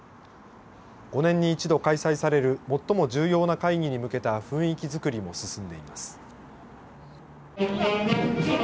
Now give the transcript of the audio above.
５年に一度開催される最も重要な会議に向けた雰囲気づくりも進んでいます。